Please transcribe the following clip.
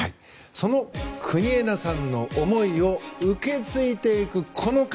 その、国枝さんの思いを受け継いでいくこの方